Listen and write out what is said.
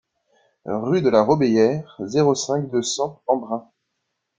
Rue de la Robéyère, zéro cinq, deux cents Embrun